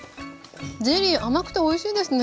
ゼリー甘くておいしいですね。